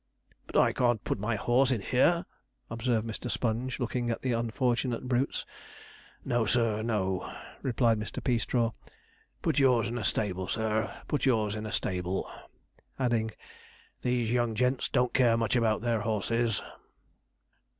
'But I can't put my horse in here,' observed Mr. Sponge, looking at the unfortunate brutes. 'No, sir, no,' replied Mr. Peastraw; 'put yours in a stable, sir; put yours in a stable'; adding, 'these young gents don't care much about their horses.'